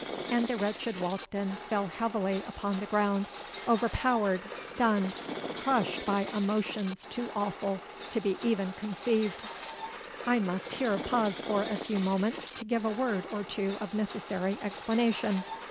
'—and the wretched Walkden fell heavily upon the ground, overpowered—stunned—crushed by emotions too awful to be even conceived! "I must here pause for a few moments to give a word or two of necessary explanation.